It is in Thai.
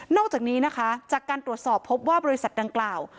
อกจากนี้นะคะจากการตรวจสอบพบว่าบริษัทดังกล่าว